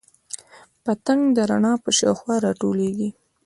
پتنګ د رڼا په شاوخوا راټولیږي